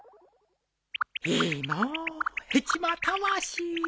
いいのうヘチマたわし。